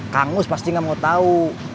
kangus pasti nggak mau tahu